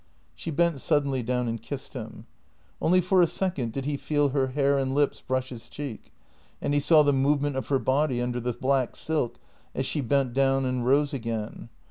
She bent suddenly down and kissed him. Only for a second did he feel her hair and lips brush his cheek, and he saw the movement of her body under the black silk as she bent down and rose again.